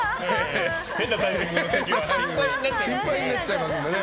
変なタイミングのせきは心配になっちゃいますのでね。